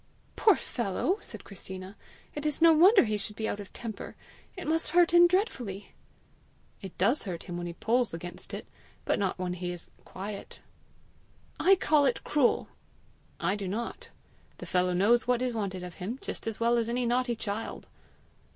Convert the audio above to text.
"Poor fellow!" said Christina; "it is no wonder he should be out of temper! It must hurt him dreadfully!" "It does hurt him when he pulls against it, but not when he is quiet." "I call it cruel!" "I do not. The fellow knows what is wanted of him just as well as any naughty child."